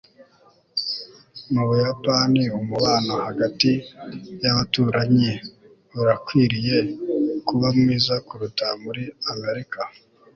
mu buyapani, umubano hagati y'abaturanyi urakwiriye kuba mwiza kuruta muri amerika